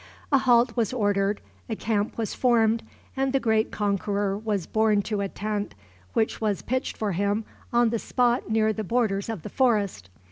A halt was ordered, a camp was formed, and the great conqueror was borne to a tent which was pitched for him on the spot near the borders of the forest.